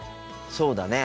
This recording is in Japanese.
そうだね。